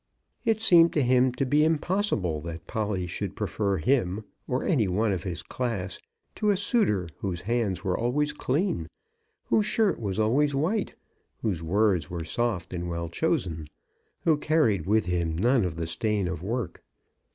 It seemed to him to be impossible that Polly should prefer him, or any one of his class, to a suitor whose hands were always clean, whose shirt was always white, whose words were soft and well chosen, who carried with him none of the stain of work.